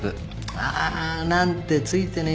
ああなんてついてねえ